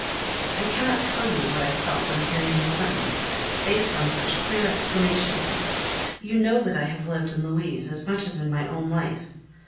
I cannot tell you what I felt on hearing this sentence, based on such clear explanations. You know that I have lived in Louise as much as in my own life.